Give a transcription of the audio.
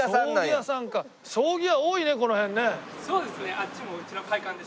あっちもうちの会館です。